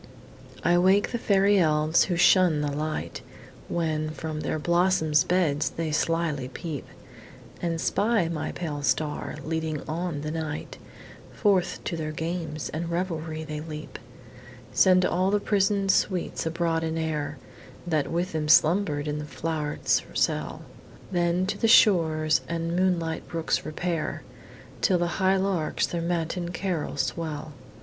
I wake the fairy elves, who shun the light; When, from their blossom'd beds, they slily peep, And spy my pale star, leading on the night,— Forth to their games and revelry they leap; Send all the prison'd sweets abroad in air, That with them slumber'd in the flow'ret's cell; Then to the shores and moonlight brooks repair, Till the high larks their matin carol swell.